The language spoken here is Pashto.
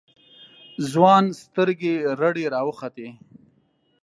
ځوان سترگې رډې راوختې.